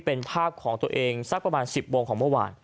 เป็นภาพของตัวเองสักประมาณ๑๐โมงของเมื่อวาน